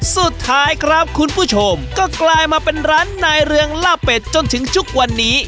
สุดท้ายครับคุณผู้ชมก็กลายมาเป็นร้านนายเรืองล่าเป็ดจนถึงทุกวันนี้